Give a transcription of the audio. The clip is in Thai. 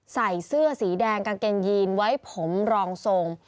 ใส่เสื้อสีแดงกางเกงยีนไว้ผมรองทรง